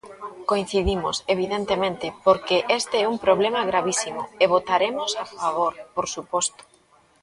Coincidimos, evidentemente, porque este é un problema gravísimo, e votaremos a favor, por suposto.